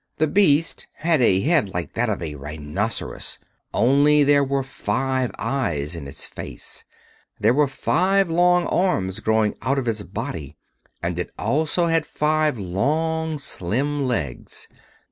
The Beast had a head like that of a rhinoceros, only there were five eyes in its face. There were five long arms growing out of its body, and it also had five long, slim legs.